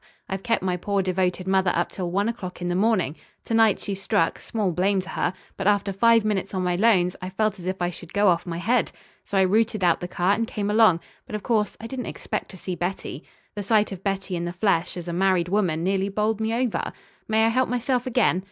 I've kept my poor devoted mother up till one o'clock in the morning. To night she struck, small blame to her; but, after five minutes on my lones, I felt as if I should go off my head. So I routed out the car and came along. But of course I didn't expect to see Betty. The sight of Betty in the flesh as a married woman nearly bowled me over. May I help myself again?"